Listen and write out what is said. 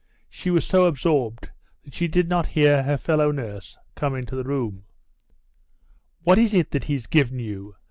She was so absorbed that she did not hear her fellow nurse come into the room. "What is it that he's given you?"